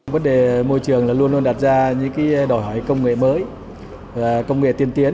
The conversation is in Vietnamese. vấn đề môi trường luôn luôn đặt ra những đòi hỏi công nghệ mới công nghệ tiên tiến